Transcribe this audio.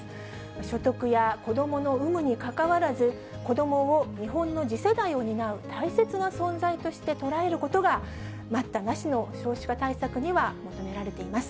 所得や子どもの有無にかかわらず、子どもを日本の次世代を担う大切な存在として捉えることが、待ったなしの少子化対策には求められています。